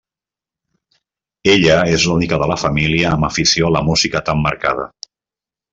Ella és l'única de la família amb afició a la música tan marcada.